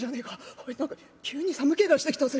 おい何か急に寒気がしてきたぜ。